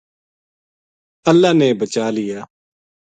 اللہ نے بچا لیا